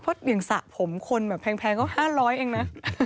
เพราะสระผมคนแพงก็๕๐๐เองนะ